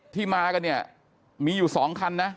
ที่มากันเนี่ยมีอยู่๒คันนะ